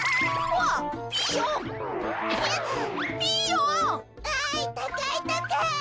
わいたかいたかい。